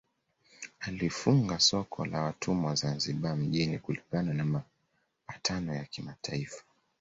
Alifunga soko la watumwa Zanzibar mjini kulingana na mapatano ya kimataifa